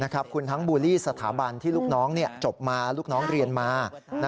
คุณทั้งบูลลี่สถาบันที่ลูกน้องจบมาลูกน้องเรียนมา